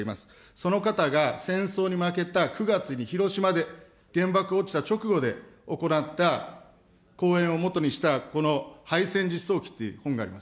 その方が戦争に負けた９月に広島で、原爆落ちた直後で行った講演を基にしたこの敗戦じっそう記という本があります。